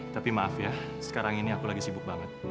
tapi maaf ya sekarang ini aku lagi sibuk banget